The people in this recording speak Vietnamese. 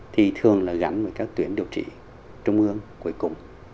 thì thường là gắn với các tuyến điều trị trung ương cuối cùng